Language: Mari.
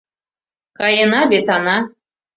Каена вет, Ана?